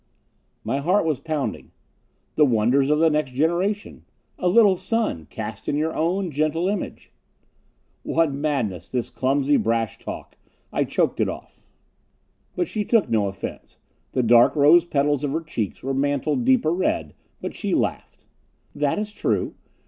My heart was pounding. "The wonders of the next generation. A little son, cast in your own gentle image " What madness, this clumsy brash talk! I choked it off. But she took no offense. The dark rose petals of her cheeks were mantled deeper red, but she laughed. "That is true."